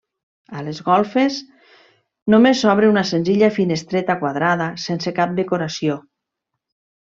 A les golfes només s'obre una senzilla finestreta quadrada sense cap decoració.